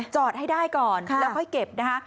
จอดให้ได้ก่อนแล้วค่อยเก็บนะคะ